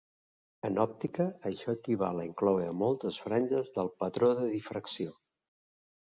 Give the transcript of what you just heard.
En òptica, això equival a incloure moltes franges del patró de difracció.